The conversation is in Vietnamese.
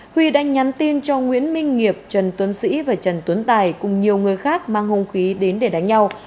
huy đã nhắn tin cho nguyễn minh nghiệp trần tuấn sĩ và trần tuấn tài cùng nhiều người khác mang hung khí đến để đánh nhau